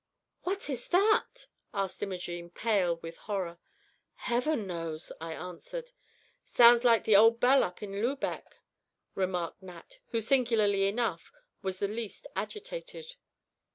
"What is that?" asked Imogene, pale with horror. "Heaven knows!" I answered. "Sounds like the old bell up in Lubec," remarked Nat; who, singularly enough, was the least agitated.